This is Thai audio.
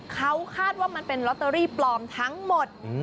เขาคาดว่ามันเป็นลอตเตอรี่ปลอมทั้งหมด